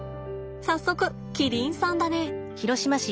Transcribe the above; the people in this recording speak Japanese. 早速キリンさんだね。